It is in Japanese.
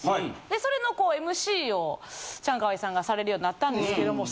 でそれのＭＣをチャンカワイさんがされるようになったんですけども。